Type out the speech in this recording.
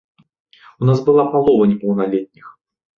У нас была палова непаўналетніх.